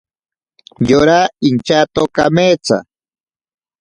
Yora inchato kametsa.